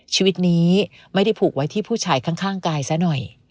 ชีวิตนี้ไม่ได้ผูกไว้ที่ผู้ชายข้างกายซะหน่อย